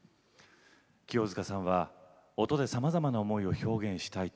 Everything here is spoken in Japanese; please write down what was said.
清塚さんは音でいろいろなものを表現したい。